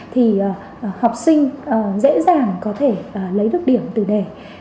thì học sinh dễ dàng có thể lấy được điểm từ đề